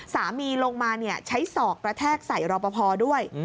สามีลงมาใช้ศอกกระแทกใส่รอปภด้วย